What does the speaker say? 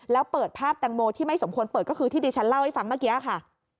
แล้วเปิดภาพแตงโมที่ไม่สมควรเปิดก็คือที่ดิฉันเล่าให้ฟังเมื่อกี้ค่ะ